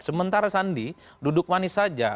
sementara sandi duduk manis saja